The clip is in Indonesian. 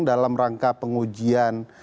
dalam rangka pengujian